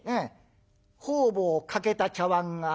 方々欠けた茶碗がある？